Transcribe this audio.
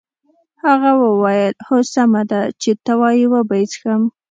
هغه وویل هو سمه ده چې ته وایې وبه یې څښم.